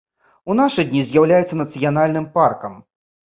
У нашы дні з'яўляецца нацыянальным паркам.